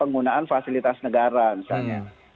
penggunaan fasilitas negara misalnya